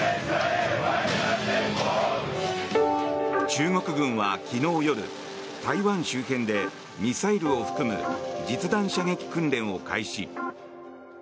中国軍は昨日夜、台湾周辺でミサイルを含む実弾射撃訓練を開始。